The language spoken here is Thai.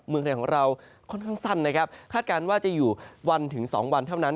เมืองไทยของเราค่อนข้างสั้นนะครับคาดการณ์ว่าจะอยู่วันถึง๒วันเท่านั้น